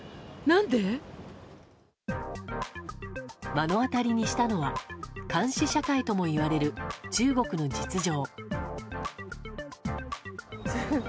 目の当たりにしたのは監視社会ともいわれる中国の実情。